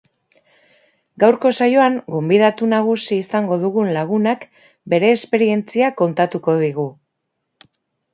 Gaurko saioan, gonbidatu nagusi izango dugun lagunak bere esperientzia kontatuko digu.